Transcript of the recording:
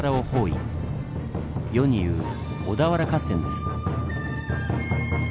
世に言う「小田原合戦」です。